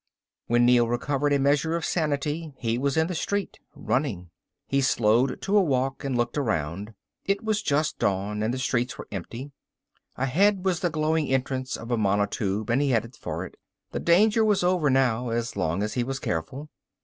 When Neel recovered a measure of sanity he was in the street, running. He slowed to a walk, and looked around. It was just dawn and the streets were empty. Ahead was the glowing entrance of a monotube and he headed for it. The danger was over now, as long as he was careful.